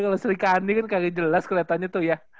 kalau sri kandi kan kagak jelas keliatannya tuh ya